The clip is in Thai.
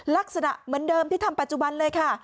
ลักษณะเหมือนเดิมที่ทำปัจจุบันเลยค่ะ